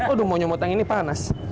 aduh mau nyomot yang ini panas